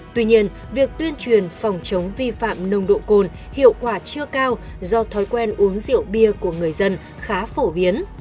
tuy nhiên việc tuyên truyền phòng chống vi phạm nồng độ cồn hiệu quả chưa cao do thói quen uống rượu bia của người dân khá phổ biến